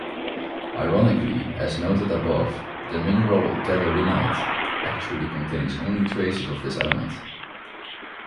Ironically, as noted above, the mineral gadolinite actually contains only traces of this element.